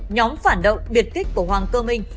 nhóm phản động biệt kích của hoàng cơ minh